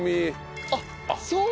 あっそう！